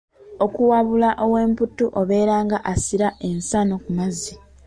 Okuwabula ow'emputtu obeera nga asira ensaano ku mazzi.